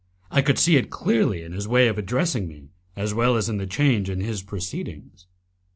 I could see it clearly in his way of addressing me, as well as in the change in his proceedings.